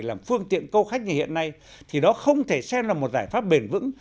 làm phương tiện câu khách như hiện nay thì đó không thể xem là một giải pháp bền vững